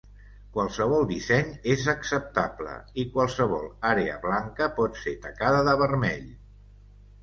Qualsevol disseny és acceptable i qualsevol àrea blanca pot ser tacada de vermell.